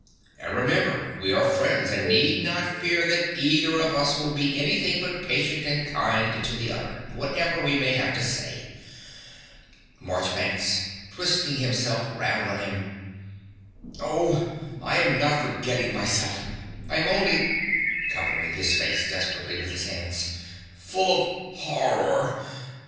And remember; we are friends, and need not fear that either of us will be anything but patient and kind to the other, whatever we may have to say. MARCHBANKS (twisting himself round on him). Oh, I am not forgetting myself: I am only (covering his face desperately with his hands) full of horror.